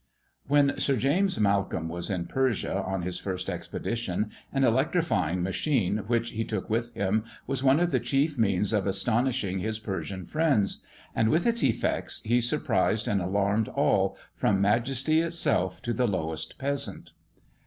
When Sir James Malcolm was in Persia, on his first expedition, an electrifying machine which he took with him was one of the chief means of astonishing his Persian friends; and with its effects he surprised and alarmed all, from majesty itself to the lowest peasant.